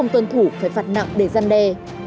thủ phải phạt nặng để gian đe